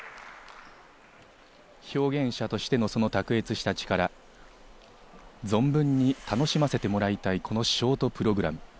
表現者としてのその卓越した力、存分に楽しませてもらいたい、このショートプログラム。